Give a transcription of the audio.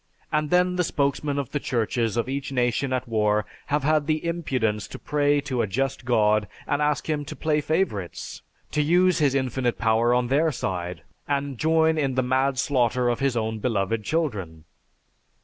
And then the spokesmen of the churches of each nation at war have had the impudence to pray to a just God and ask Him to play favorites, to use His infinite power on their side and join in the mad slaughter of His own beloved children.